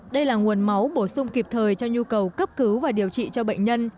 đây là nguồn máu bổ sung kịp thời cho nhu cầu cấp cứu và điều trị cho bệnh nhân